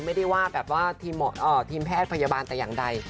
ไม่ได้ว่าแบบว่าทีมแพทย์พยาบาลแต่อย่างใด